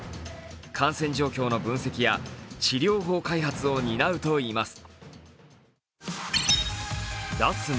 感染状況の分析や治療法開発を担うといいます。